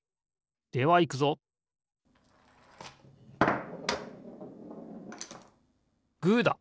ではいくぞグーだ！